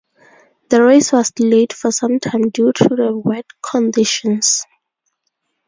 The race was delayed for some time due to the wet conditions.